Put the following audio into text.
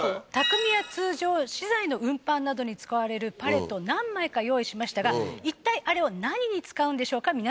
匠は通常資材の運搬などに使われるパレットを何枚か用意しましたがいったいあれを何に使うんでしょうか？